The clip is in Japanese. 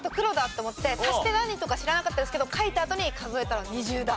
足して何とか知らなかったですけど書いたあとに数えたら２０だ。